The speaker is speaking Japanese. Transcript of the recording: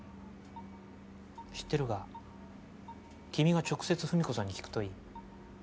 知ってるが君が直接史子さんに聞くといい。